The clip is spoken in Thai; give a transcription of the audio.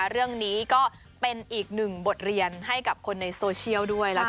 เรื่องนี้ก็เป็นอีกหนึ่งบทเรียนให้กับคนในโซเชียลด้วยละกัน